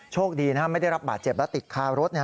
โชคดีไม่ได้รับบาดเจ็บและติดคารถ